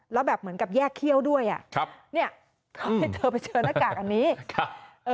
แล้วแบบเหมือนกับแยกเขี้ยวด้วยอ่ะครับเนี่ยเขาให้เธอไปเจอหน้ากากอันนี้ครับเออ